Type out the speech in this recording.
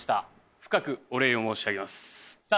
深くお礼を申し上げますさあ